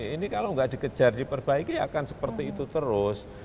ini kalau nggak dikejar diperbaiki akan seperti itu terus